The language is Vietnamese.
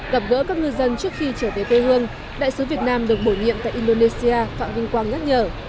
gặp gỡ các ngư dân trước khi trở về quê hương đại sứ việt nam được bổ nhiệm tại indonesia phạm vinh quang nhắc nhở